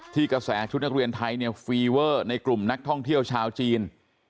กระแสชุดนักเรียนไทยเนี่ยฟีเวอร์ในกลุ่มนักท่องเที่ยวชาวจีน